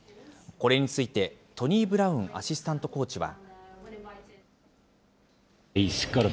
これについて、トニー・ブラウンアシスタントコーチは。